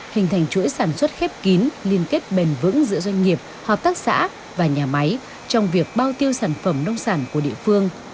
hình thành chuỗi sản xuất khép kín liên kết bền vững giữa doanh nghiệp hợp tác xã và nhà máy trong việc bao tiêu sản phẩm nông sản của địa phương